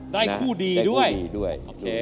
ได้คู่ดีด้วย